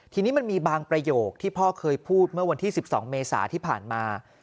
ทีนี้มันมีบางประโยคที่พ่อเคยพูดเมื่อวันที่๑๒เมษาที่ผ่านมา